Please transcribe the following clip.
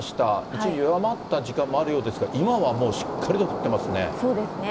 一時弱まった時間もあるようですが、今はもうしっかりと降ってますね。